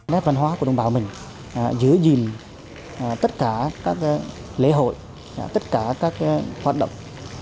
nét văn hóa của đồng bào mình giữ gìn tất cả các lễ hội tất cả các hoạt động